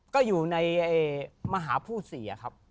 ก็อยู่ในมหาผู้เสียครับ